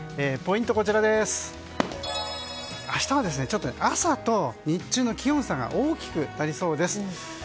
ポイントは明日は朝と日中の気温差が大きくなりそうです。